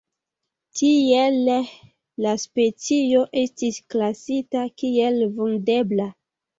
Tiele la specio estis klasita kiel vundebla.